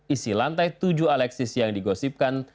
isi lantai tujuh alexis yang digosipkan